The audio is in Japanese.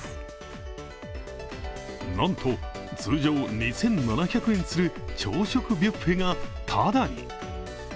なんと通常２７００円する朝食ビュッフェが、ただに。